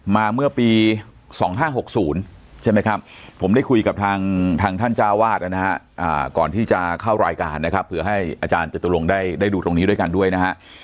มาเมื่อปี๒๕๖๐ผมได้คุยกับทางท่านจ้าวาทก่อนที่จะเข้ารายการเพื่อให้อาจารย์จะติดลงได้ดูตรงนี้ด้วยกัน